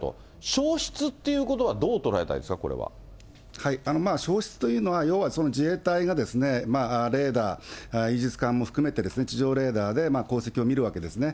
消失っていうことは、消失というのは、要は自衛隊がレーダー、イージス艦も含めて地上レーダーで航跡を見るわけですね。